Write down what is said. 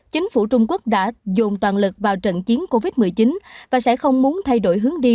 chính phủ trung quốc đã dồn toàn lực vào trận chiến covid một mươi chín và sẽ không muốn thay đổi hướng đi